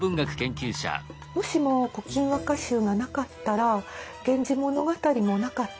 もしも「古今和歌集」がなかったら「源氏物語」もなかった。